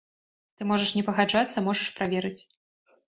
Ты можаш не пагаджацца, можаш праверыць.